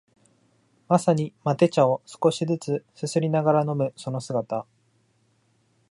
まさにマテ茶を少しづつすすりながら飲むその姿